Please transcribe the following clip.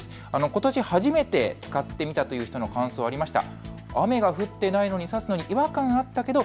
ことし初めて使ってみたという人の感想がありました。